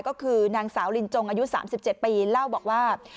ก็คือนางสาวลินจงอายุ๓๗ปีเล่าบอกว่า